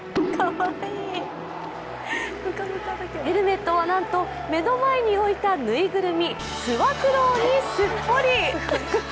ヘルメットは、なんと目の前に置いたぬいぐるみ、すわくろうにすっぽり。